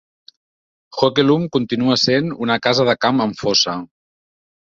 Hoekelum continua essent una casa de camp amb fossa.